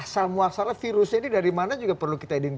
semoga semua agak dapetan